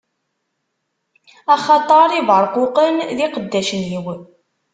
Axaṭer Ibeṛquqen d iqeddacen-iw.